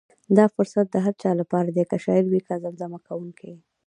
دا فرصت د هر چا لپاره دی، که شاعر وي که زمزمه کوونکی.